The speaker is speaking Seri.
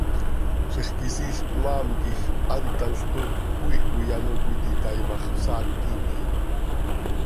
Zixquisiil cmaam quij hant thanl toocj cöquiih coi ano cöititaai ma x, psaac imiicö.